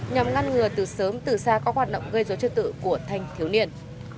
nhằm ngăn ngừa từ sớm từ xa các hoạt động gây dối trật tự của thanh thiếu niên